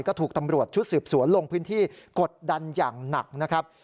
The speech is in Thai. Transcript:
ก็ถูกตำรวจชุดสืบสวนลงพื้นที่กดดันอย่างหนักนะครับ